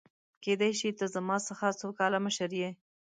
کيدای شي ته زما څخه څو کاله مشر يې !؟